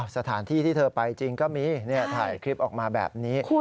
สถานที่ที่เธอไปจริงก็มีถ่ายคลิปออกมาแบบนี้